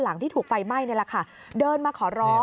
ที่ถูกไฟไหม้นี่แหละค่ะเดินมาขอร้อง